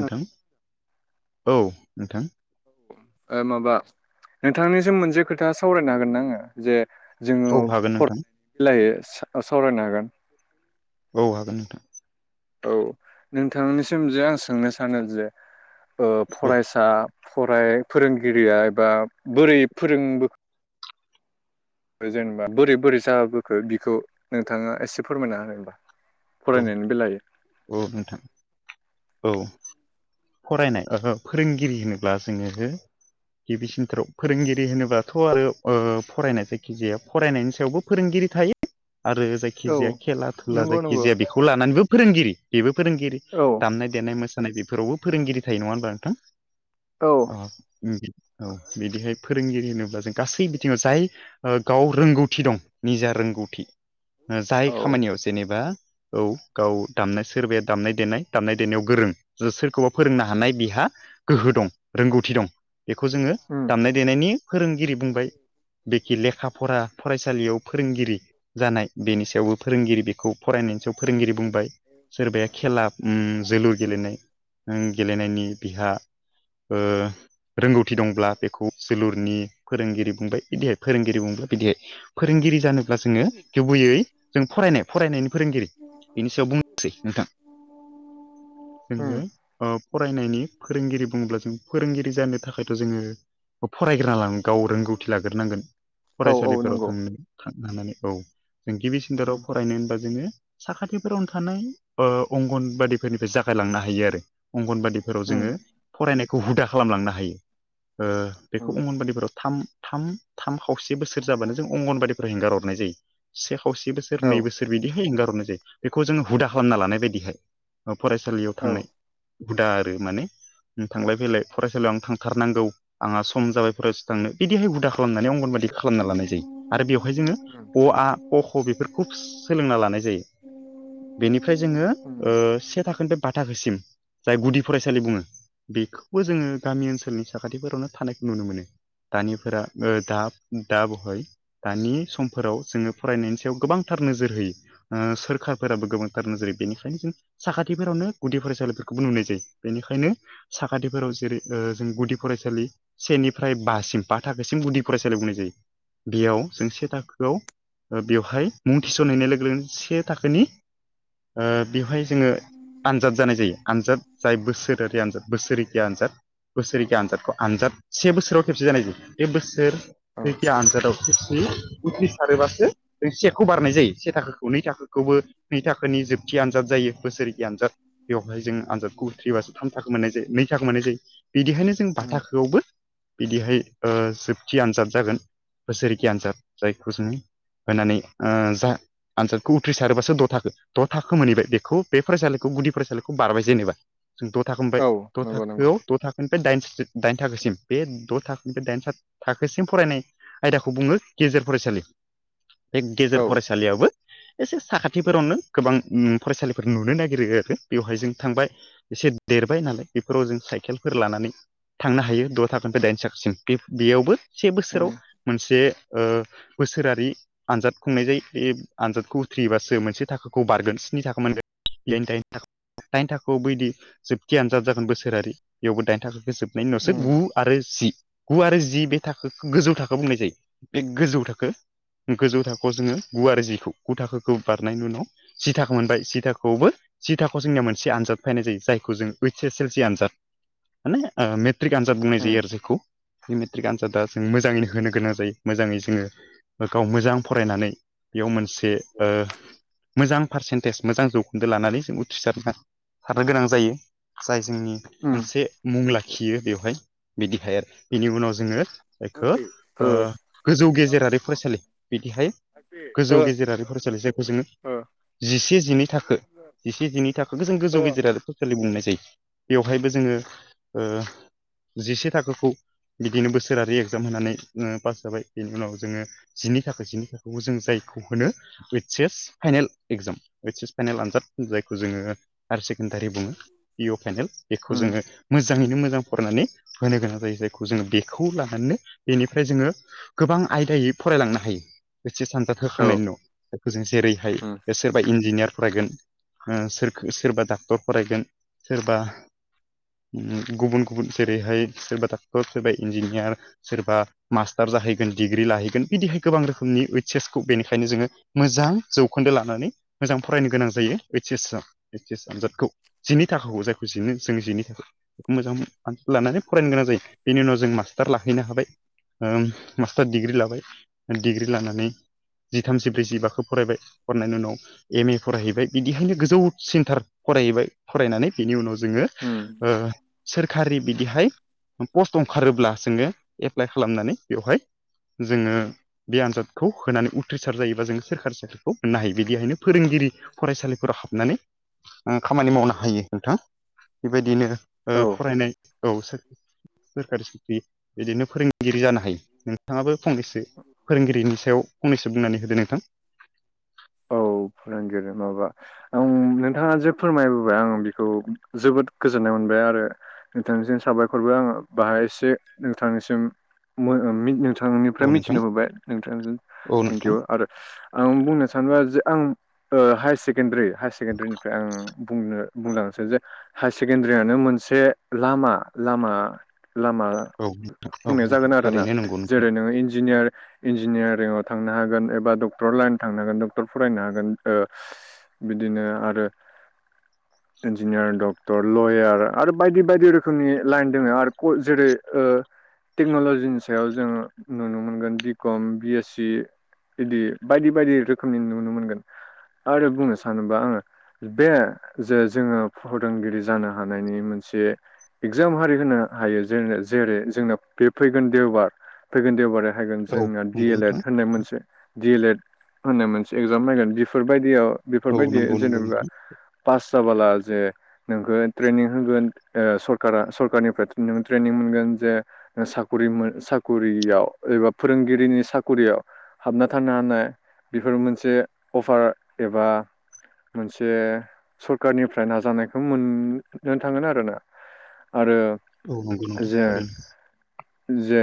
ओ औ नोंथां माबा नोंथांनिसिम मोनसे खोथा सावरायनो हागोन ना आङो जे जोङो औ हागोन फर नोंथां लायो सावरायनो हागोन औ हागोन नोंथां औ नोंथांनिसिम जे आं सोंनो सानो जे ओ औ फरायसा फराय फोरोंगिरिया एबा बोरै फोरोंबो जेनेबा बोरै बोरै जाबोखो बिखौ नोंथाङा एसे फोरमायना होबा औ फरायनायनि बेलाय औ नोंथां औ फरायनाय फोरोंगिरि होनोब्ला जोङो गिबिसिन्थाराव फोरोंगिरि होनोबाथ' आरो फरायनाय जायखिजाया फरायनायनि सायावबो फोरोंगिरि थायो आरो जायखि औ जाया खेला घुला नंगौ जायखि [unintelligible] नंगौ बेखौ लानानैबो फोरोंगिरि बेबो फोरोंगिरि औ दामनाय देनाय मोसानाय बेफोरावबो फोरोंगिरि थायो नङा होनबा नोंथां औ अ औ बिदिहाय फोरोंगिरि होनोब्ला जों गासै बिथिङाव जाय गाव रोंगौथि दं निजा रोंगौथि औ जाय खामानियाव जेनेबा औ गाव दामनाय सोरबाया दामनाय देनाय दामनाय देनायाव गोरों सोरखौबा फोरोंनो हानाय बिहा गोहो दं रोंगौथि दं बेखौ जोङो उम दामनाय देनायनि फोरोंगिरि बुंबाय बेखि लेखा फरा फरायसालियाव फोरोंगिरि जानाय बेनि सायावबो फोरोंगिरि बेखौ फरायनायनि सायाव फोरोंगिरि बुंबाय सोरबाया खेला जोलुर गेलेनाय ओं गेलेनायनि बिहा रोंगौथि दंब्ला बेखौ जोलुरनि फोरोंगिरि बुंबाय इदि आरो फोरोंगिरि बुंला [unintelligible] बिदिहाय फोरोंगिरि जानोब्ला जोङो गुबैयै जों फरायनाय फरायनायनि फोरोंगिरि बेनि सायाव बुंनोसै नोंथां उम जोङो फरायनायनि फोरोंगिरि बुङोब्ला जों फोरोंगिरि जानो थाखायथ' जोङो फरायग्रोना गाव रोंगौथि लाग्रोनांगोन औ औ फरायसालिफोराव नंगौ थांनो नानै औ जों गिबि उम सिन्थायाव फरायनो जोङो साखाथिफोरावनो थानाय अंगनबादिफोरनिफ्राय जागायलांनो हायो आरो अंगनबादिफोराव उम जोङो फरायनायखौ हुदा खालामलांनो हायो उम बेखौ अंगनबादिफोराव थाम थाम थाम खावसे बोसोर जाबानो जों अंगनबादिफोरा हेंगार हरनाय जायो से खावसे बोसोर औ नै बोसोर बिदिहाय एंगारहरनाय जायो बेखौ जोङो हुदा खालामना लानाय बायदिहाय फरायसालियाव औ थांनाय हुदा आरो माने थांलाय फैलाय फरायसालियाव आं थांथारनांगौ आंहा सम जाबाय फरायसालियाव थांनो बिदिहाय हुदा खालामनानै अंगनबादि खालामना लानाय जायो आरो बेवहाय जोङो उम अ आ क ख बेफोरखौ सोलोंना लानाय जायो बेनिफ्राय जोङो उम से थाखोनिफ्राय बा थाखोसिम जाय गुदि फरायसालि बुङो बेखौबो जोङो गामि ओनसोलनि साखाथिफोरावनो थानायखौ नुनो मोनो दानिफोरा दा दा बहाय दानि समफोराव जोङो फरायनायनि सायाव गोबांथार नोजोर होयो सोरखारफोराबो गोबांथार नोजोर बेनिखायनो जों साखाथिफोरावनो गुदि फरायसालिफोरखौबो नुनाय जायो बेनिखायनो साखाथिफोराव जेरै जों गुदि फरायसालि सेनिफ्राय बासिम बा थाखोसिम गुदि फरायसालियाव होनाय जायो बेयाव जों से थाखोआव बेवहाय मुं थिसनहैनाय लोगो लोगो से थाखोनि बेवहाय जोङो आनजाद जानाय जायो आनजाद जाय बोसोरारि आनजाद बोसोरै जि आनजाद बोसोरखिया आनजादखौ आनजाद से बोसोराव खेबसे जानाय जायो बे बोसोर औ बोसोरखिया आनजादाव खेबसे उद्रिसारोबासो एसे थाखोखौ बारनाय जायो से थाखोखौ नै थाखोखौबो नै थाखोनि जोबथि आनजाद जायो बोसोरखिया आनजाद बेवहाय जों आनजादखौ उथ्रिबासो थाम थाखो मोननाय जायो नै थाखो मोननाय जायो बिदिहायनो जों बा उम थाखौआवबो बिदिहाय जोबथि आनजाद जागोन बोसोरखिया आनजाद जायखौ जोङो होनानै ओ दा आनजादखौ उथ्रिसारोबासो द' थाखो द' थाखो मोनहैबाय बेखौ बे फरायसालिखौ गुदि फरायसालिखौ बारबाय जेनेबा जों द' थाखो मोनबाय औ द' नंगौ नंगौ थाखोआव द' थाखोनिफ्राय दाइन दाइन थाखोसिम बे द' थाखोनिफ्राय दाइन थाखोसिम फरायनाय आयदाखौ बुङो गेजेर फरायसालि बे औ गेजेर फरायसालियाबो एसे साखाथिफोरावनो गोबां फरायसालिफोर नुनो नागिरो बेयावहाय जों थांबाय एसे देरबाय नालाय बेफोराव जों साइकेलफोर लानानै थांनो हायो द' थाखोनिफ्राय दाइन थाखोसिम बेयावबो से बोसोराव उम मोनसे बोसोरारि आनजाद खुंनाय जायो बे आनजादखौ उथ्रियोबासो मोनसे थाखाखौ बारगोन स्नि थाखो मोनगोन [unintelligible] दाइन थाखोआव बायदि जोबथि आनजाद जागोन बोसोरारि बेयावबो दाइन थाखोखौ जोबगोन [unintelligible] उम गु आरो जि गु आरो जि बे थाखो गोजौ थाखो बुंनाय जायो बे गोजौ थाखो गोजौ थाखो खौ जोंङो गुवार जिखौ गु थाखोखौ बारनायनि उनाव जि थाखो मोनबाय जि थाखोआवबो जि थाखोआव जोंनिया मोनसे आनजाद फैनाय जायो जायखौ जों ओइस एस एल सि आनजाद माने मेट्रिक आनजाद बुंनाय उम जायो आरो जायखौ मेट्रिक आनजादा जों मोजाङैनो होनो गोनां जायो मोजांङै जोंङो गाव मोजां फरायनानै बेयाव मोनसे मोजां पारसेन्टेज मोजां जौखोन्दो लानानै जों उथ्रिसारना सारनो गोनां जायो जाय जोंनि उम मोनसे मुं लाखियो बेवहाय बिदिहाय आरो बिनि उनाव जोंङो ओ जायखौ गोजौ गेजेरारि फरायसालि बेहाय गोजौ गेजेरारि फरायसालि जायखौ जोंङो ओ जिसे जिनै थाखो जिसे जिनै थाखोखौ जों गोजौ ओ गेजेराव सलि बुंनाय जायो बेवहायबो जोंङो जिसे थाखोखौ बिदिनो बोसोरारि एगजाम होनानै पास जाबाय बेनि उनाव जोंङो जिनि थाखोसेनि थाखोआवबो जों जायखौ होनो ओइस एस फाइनेल एक्जाम ओइस एस फाइनेल आनजाद जायखौ जोंङो हायार सेकेणडारि बुंङो पिअ फायनेल बेखौ उम जोंङो मोजाङैनो मोजां फरायनानै होनो गोनां जायो जायखौ जोंङो बेखौ लानानैनो बेनिफ्राय जोंङो गोबां आयदायै फरायलांनो हायो। ओइस एस सानजाद औ होखांनायनि न' बेखौ जों जेरैहाय उम बे सोरबा इन्जिनियार फरायगोन सोरखो सोरबा डाक्टर फरायगोन सोरबा गुबुन गुबुन जेरैहाय सोरबा डाक्टर सोरबा इन्जिनियार सोरबा मास्टार जाहैगोन डिग्रि लाहैगोन बिदिहाय गोबां रोखोमनि ओइस एसखौ बेनिखायनो जोंङो मोजां जौखोन्दो लानानै मोजां फरायनो गोनां जायो ऐइस एस ऐइस एस आनजादखौ जिनि थाखोखौ जायखौ जिनो जों जिनि थाखाय बेखौ मोजां मोनो लानानै फरायनो गोनां जायो बेनि उनाव जों मा टार लाहैनो हाबाय मास्टार डिग्रि लाबाय डिग्रि लानानै जिथाम जिब्रै जिबाखो फरायबाय फरायनायनि उनाव एम ए फरायहैबाय बिदिहायनो गोजौ सेन्टार फरायहैबाय फरायनानै बेनि उनाव जोंङो उम ओ सोरखारि बिदिहाय पस्ट ओंखारोब्ला जोंङो एप्लाइ खालामनानै बेवहाय जोंङो बे आनजादखौ होनानै उथ्रिसार जायोबा जों सोरखारि साख्रिखौ मोननो हायो बिदिहायनो फोरोंगिरि फरायसालिफोराव हाबनानै खामानि मावनो हायो नोंथां बेबायदिनो औ फरायनाय औ सोरखारि साख्रि बिदिनो फोरों फोरोंगिरि जानो हायो नोंथांङाबो फंनैसो फोरोंगिरिनि सायाव फंनैसो बुंनानै होदो नोंथां [inaudible] औ फोरोंगिरि माबा आं नोंथांङा जे फोरमायबोबाय आं बेखौ जोबोद गोजोननाय मोनबाय आरो नोंथांनिसिम साबायखरबो आंङो बाहाय एसे नोंथांनिसिम औ नोंथांनिफ्राय नोंथां मिथिनो हाय नोंथां औ थेंक नोंथां इउ आरो आं बुंनो सानोबा जे आं हायार सेकेण्डारि हायार सेकेण्डारिनिफ्राय आं बुंनो बुंलांनोसै जे हायार सेकेणडारियानो मोनसे लामा लामा लामा औ नोंथां औ बुंनाया जागोन नोंथां थारैनो नंगौ नोंथां जेरै नोंङो इन्जिनियार इन्जिनियारिंआव थांनो हागोन एबा डक्टर लाइन थांनो हागोन डक्टर फरायनो हागोन बिदिनो आरो [inaudible] इन्जिनियार डक्टर लयार आरो बायदि बायदि रोखोमनि लाइन दोङो आरो जेरै‌ ओ टेक्न'ल'जिनि सायाव जों नुनो मोनगोन बि कम बि एस सि इदि बायदि बायदि रोखोमनि नुनो मोनगोन आरो बुंनो सानोबा आंङो बे जे जोंङो फोरोंगिरि जानो हानायनि मोनसे इगजाम हारि होनो हायो जे जेरै जोंना बे फैगोन देवबार फैगोन देवबारया हायगोन औ जोंना डि नंगौ एल एड नोंथां होननाय मोनसे डि एल एड होननाय मोनसे एगजाम फायगोन बेफोरबायदियाव औ बेफोरबायदि नंगौ नंगौ जेनेबा नोंथां पास जाबाला जे नोंखौ ट्रेनिं होगोन सरका सरकारनिफ्रायों ट्रेनिं मोनगोन जे साखरि साखरियाव एबा फोरोंगिरिनि साखरियाव हाबना थानो हानाय बेफोर मोनसे अफार एबा मोनसे सरखारारनिफ्राय नाजानायखौ मोननो थांगोन आरोना आरो औ नंगौ नोंथां जे थारैनो जे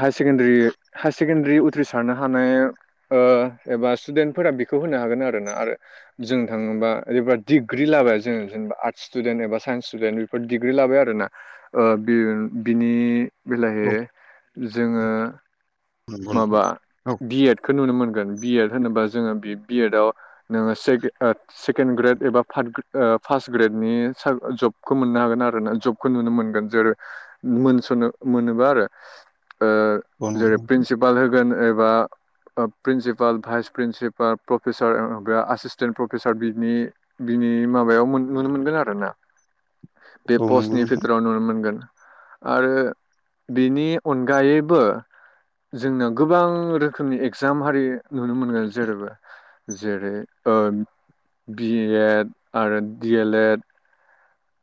हाय सेकेणडारि हाय सेकेण्डारि उथ्रिसारनो हानाय एबा स्टुदेन्टफोरा बेखौ होनो हागोन आरो ना आरो जों थांङोबा ओरैबा दिग्रि लाबाय जों जेनबा आर्टस स्टुडेन्ट एबा साइन्स स्टुेन्ट दिडिग्रि लाबाय आरोना ओ बि बिनि बेलाहै औ जोंङो नंगौ नोंथां माबा औ बि एदखौ नुनो मोनगोन बि एड होनोबा जोंङो बि बि एडआव नोंङो से सेकेणड ग्रेड एबा फार्ड ग्रेड फार्स्ट ग्रेड नि जबखौ मोननो हागोन आरो ना जब खौ नुनो मोनगोन जेरै मोनसनो मोनोबा आरो ओ औ नंगौ नोंथां [unintelligible] होगोन एबा principal vice principal professor [unintelligible] assistant professor बिनि बिनि माबायाव नुनो मोनगोन आरोना बे औ नंगौ पस्टनि नोंथां बिथोराव नुनो मोनगोन आरो बिनि अनगायैबो जोंना गोबां रोखोमनि एगजाम हारि नुनो मोनगोन जेरैबो जेरै बि एड आरो डि एल एड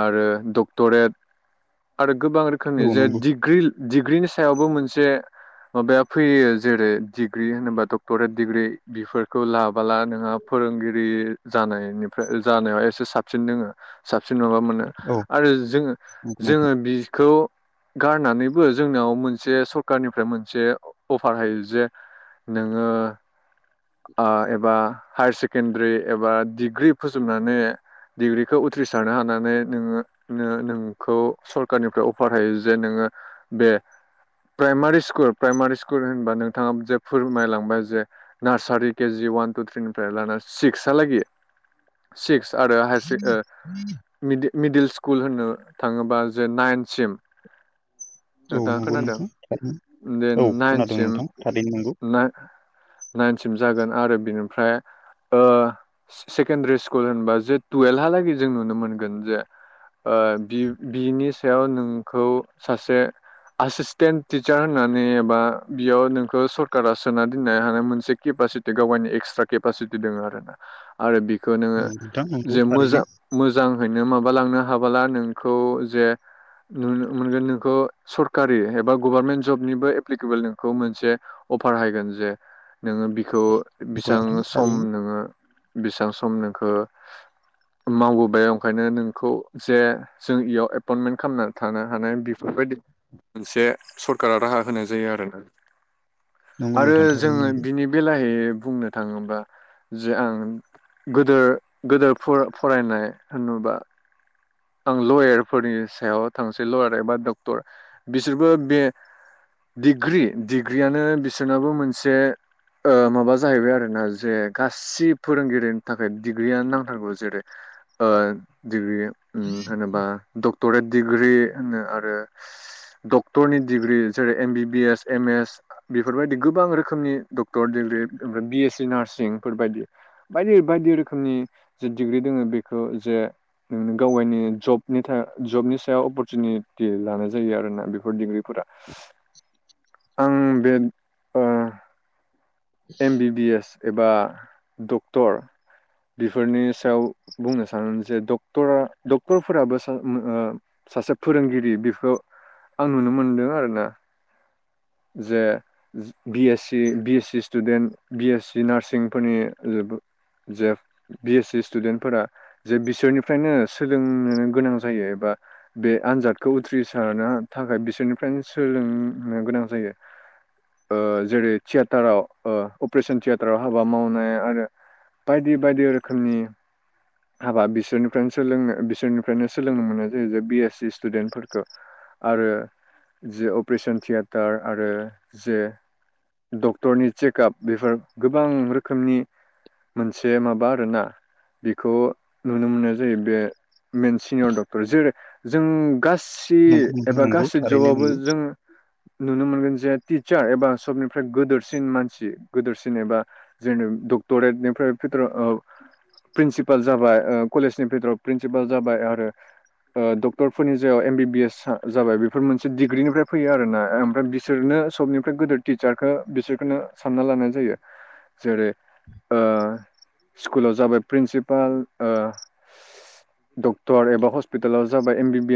आरो डक्टरेट आरो गोबां रोखोमनि औ जे नंगौ डिग्रि डिग्रिनि सायावबो मोनसे माबाया फैयो जेरै डिग्रि होनोबा डक्ट'रेट डिग्रि बेफोरखौ लाबोला नोंहा फोरोंगिरि जानायनिफ्राय जानायाव एसे साबसिन दोङो साबसिन माबा मोनो औ आरो जों नंगौ जोङो नोंथां बिखौ गारनानैबो जोंनाव मोनसे सरखारनिफ्राय मोनसे अफार हायो जे नोङो आ एबा हायार सेकेणडारि एबा डिग्रि फोजोबनानै डिग्रिखौ उथ्रिसारनो हानानै नोङो नो नों खौ सरखारारनिफ्राय अफार होायो जे नोङो बे प्राइमारि स्कुल प्राइमारि स्कुल होनबा नोंथाङा जे फोरमायलांबाय जे नार्सारि केजि वान टु थ्रिनिफ्राय लाना सिक्सआलागि सिक्स आरो हायार ओ मिदग मिदिल स्कुल होनो थाङोबा जे नाइनसिम औ नोंथाङा नंगौ खोनादों नोंथां थारैनो बेे औ खोनादों नाइनसिम नोंथां थारैनो नंगौ ना नाइनसिम जागोन आरो बिनिफ्राय ओ सेकेणडारि स्कुल होनबा जे टुयेल्भहालागै जों नुनो मोनगोन जे ओ बि बिनि सायाव नोंखौ सासे एसिसटेन्ट टिचार होननानै एबा बेयाव नोंखौ सरकारा सोना दोननो हानाय मोनसे केपासि बे गावगायनि एक्सट्रा केपासिटि दोङो आरो [inaudible] आरो बिखौ नोङो नंगौ नोंथां नंगौ जे थारैनो मोजां मोजाङैनो माबालांनो हाबोला नों खौ जे नुनो मोनगोन नोंखौ सरकारि एबा गभारनमेन्ट जबनिबो एप्लिकेबोल नोंखौ मोनसे अफार हायगोन जे नोङो बिखौ नंगौ बिसां नोंथां सम थारैनो नोङो बेसेबां सम नोंखौ मावबोबाय ओंखायनो नोंखौ जे जों इयाव एपइन्टमेन्ट खालामनानै थानो हानाय बेफोरबायदि मोनसे सरकारा राहा होनाय जायो आरोना नंगौ आरो नोंथां थारैनो जोङो नंगौ बिनि बेलाहै बुंनो थाङोब्ला जे आं गोदोर गोदोर फर फरायनाय होनोबा आं लयारफोरनि सायाव थांसै लयार एबा डक्टर बिसोरबो बे डिग्रि डिग्रियानो बिसोरनाबो मोनसे ओ माबा जाहैबाय आरो ना जे गासै फोरोंगिरिनि थाखाय डिग्रियानो नांथारगौ जेरै ओ डिग्रि होनोबा डक्टरेट डिग्रि होनो आरो डक्टरनि डिग्रि जेरै एमबिबिएस एम एस बेफोरबायदि गोबां रोखोमनि डक्टर डिग्रि ओमफ्राय बिए सि नारसिं फोरबायदि बायदि बायदि रोखोमनि जे डिग्रि दङो बेखौ जे नुनो गाव गायनि जबनि जबनि सायाव अपरसुनिटि लानाय जायो आरोना बेफोर डिग्रिफोरा [inaudible] आं बे ओ एम बि बि एस एबा डक्टर बेफोरनि सायाव बुंनो सानो जे डक्टरा डक्टरफोराबो ओ सासे फोरोंगिरि बेखौ आं नुनो मोनदों आरोना जे B S C B S C student B S C नारसिंफोरनि जेब बि एस सि स्टुदेन्टफोरा जे बिसोरनिफ्रायनो सोलोंनो गोनां जायो एबा बे आनजादखौ उथ्रिसारनो थाखाय बिसोरनिफ्रायनो सोलोंनो गोनां जायो ओ जेरै थियेटाराव ओ अपारेशन थियेटाराव हाबा मावनाय आरो बायदि बायदि रोखोमनि हाबा बिसोरनिफ्रायनो सोलोङो बिसोरनिफ्रायनो सोलोंनो मोननाय जायो जे बि एस सि स्टुडेन्टफोरखौ आरो जे अपारेशन थियेटार आरो जे डक्टरनि चेकआप बेफोर गोबां रोखोमनि मोनसे माबा आरोना खौ नुनो मोननाय जायो बे मेन सिनियर डक्टर जेरै जों गासै नंगौ [unintelligible] नोंथां एबा नंगौ गासै थारैनो जबावबो नंगौ जों नुनो मोनगोन जे टिचार एबा सबनिफ्राय गोदोरसिन मानसि गोदोरसिन एबा जेनि डक्ट'रेटनिफ्राय भि प्रिनसिपाल जाबाय कलेजनि बिथथोराव प्रिनसिपाल जाबाय आरो डक्टरफोरनि जायाव एम बिबि एस जाबाय बेफोर मोनसे डिग्रिनिफ्राय फैयो आर ना ओमफ्राय बि बिसोरनो सबनिफ्राय गिदिर टिचारखो बिसोरखौनो सानना लानाय जायो जेरै स्कुलाव जाबाय प्रिनसिपाल डक्टर एबा हस्पिटालाव जाबाय एम बि बि ए